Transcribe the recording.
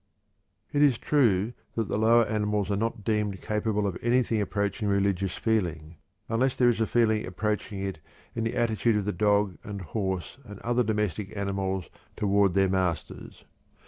It is true that the lower animals are not deemed capable of anything approaching religious feeling, unless there is a feeling approaching it in the attitude of the dog and horse and other domestic animals toward their masters.